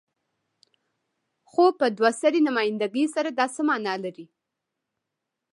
خو په دوه سري نمايندګۍ سره دا څه معنی لري؟